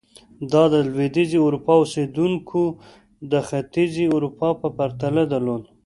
دا د لوېدیځې اروپا اوسېدونکو د ختیځې اروپا په پرتله درلود.